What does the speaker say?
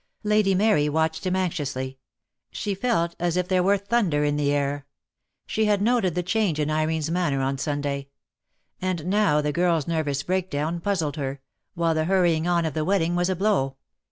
Lady Mary watched him anxiously. She felt as if there were thunder in the air. She had noted the change in Irene's manner on Sunday. And now the girl's nervous breakdown puzzled her, while the hurrying on of the wedding was a blow.